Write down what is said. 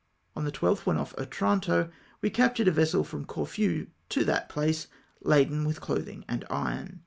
On the 12th, when ofi" Otranto, we captured a vessel from Corfu to that place, laden with clothino; and iron.